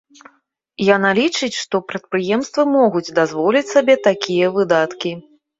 Яна лічыць, што прадпрыемствы могуць дазволіць сабе такія выдаткі.